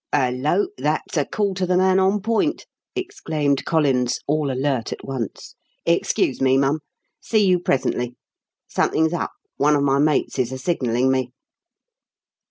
"Hullo! That's a call to the man on point!" exclaimed Collins, all alert at once. "Excuse me, mum. See you presently. Something's up. One of my mates is a signalling me."